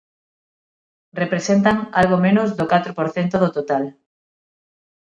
Representan algo menos do catro por cento do total.